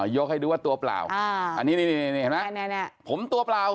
อ๋อยกให้ดูว่าตัวเปล่าอันนี้น่ะผมตัวเปล่า